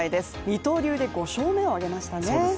二刀流で５勝目を挙げましたね。